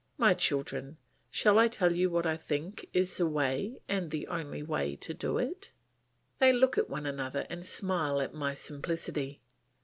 My children, shall I tell you what I think is the way, and the only way, to do it?" They look at one another and smile at my simplicity.